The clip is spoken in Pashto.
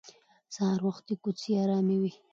سهار وختي کوڅې ارامې وي